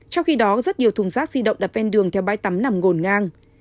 trong khi đó rất nhiều thùng rác di động đập ven đường theo bãi tắm nằm ngồn ngang